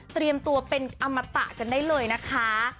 เตรียมตัวเป็นอมตะกันได้เลยนะคะ